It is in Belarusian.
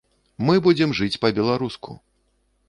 Мы будзем жыць па-беларуску.